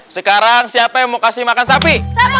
sekarang siapa yang mau kasih makan sapi